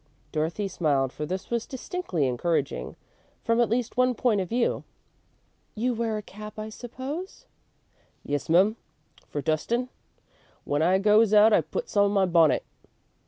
Dorothy smiled, for this was distinctly encouraging, from at least one point of view. "You wear a cap, I suppose?" "Yes, mum, for dustin'. When I goes out I puts on my bonnet."